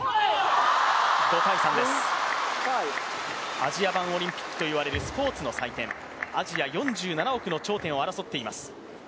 アジア版オリンピックといわれるスポーツの祭典アジア４７億の頂点を争っています。